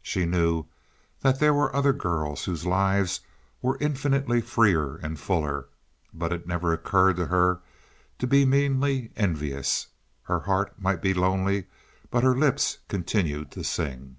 She knew that there were other girls whose lives were infinitely freer and fuller, but, it never occurred to her to be meanly envious; her heart might be lonely, but her lips continued to sing.